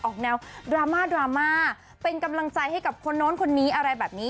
ออกแนวดราม่าดราม่าเป็นกำลังใจให้กับคนโน้นคนนี้อะไรแบบนี้